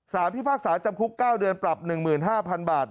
สารพิพากษาจำคุกเก้าเดือนปรับหนึ่งหมื่นห้าพันบาท